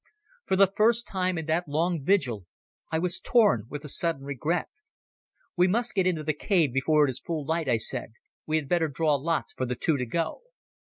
For the first time in that long vigil I was torn with a sudden regret. "We must get into the cave before it is full light," I said. "We had better draw lots for the two to go."